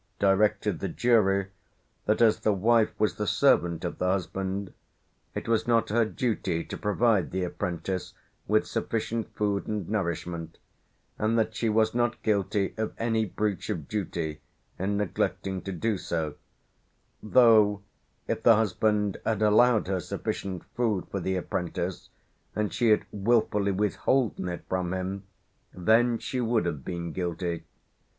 directed the jury, that as the wife was the servant of the husband, it was not her duty to provide the apprentice with sufficient food and nourishment, and that she was not guilty of any breach of duty in neglecting to do so; though, if the husband had allowed her sufficient food for the apprentice, and she had wilfully withholden it from him, then she would have been guilty.